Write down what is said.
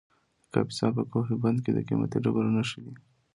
د کاپیسا په کوه بند کې د قیمتي ډبرو نښې دي.